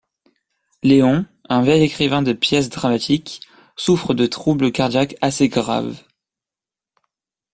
Léon, un vieil écrivain de pièces dramatiques, souffre de troubles cardiaques assez graves.